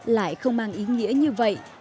lại không mang ý nghĩa như vậy